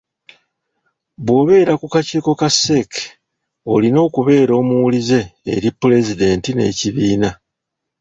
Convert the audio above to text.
Bw'obeera ku kakiiko ka CEC, olina okubeera omuwulize eri Pulezidenti n’ekibiina.